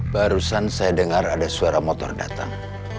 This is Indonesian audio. barusan saya dengar ada suara motor datang